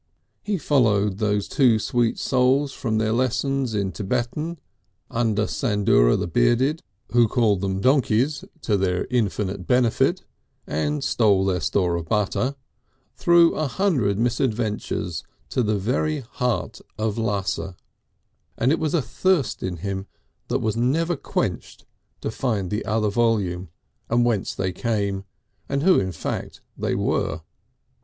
He followed those two sweet souls from their lessons in Thibetan under Sandura the Bearded (who called them donkeys to their infinite benefit and stole their store of butter) through a hundred misadventures to the very heart of Lhassa, and it was a thirst in him that was never quenched to find the other volume and whence they came, and who in fact they were.